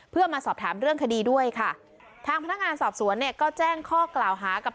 เพื่อมาสอบถามเรื่องคดีด้วยค่ะทางพนักงานสอบสวนเนี่ยก็แจ้งข้อกล่าวหากับ